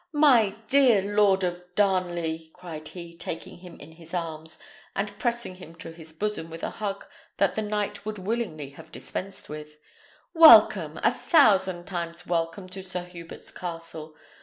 "My dear Lord of Darnley!" cried he, taking him in his arms and pressing him to his bosom with a hug that the knight would willingly have dispensed with; "welcome! a thousand times welcome to St. Hubert's Castle!